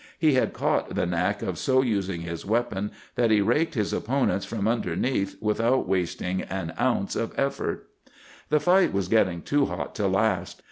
He had caught the knack of so using his weapon that he raked his opponents from underneath without wasting an ounce of effort. "The fight was getting too hot to last.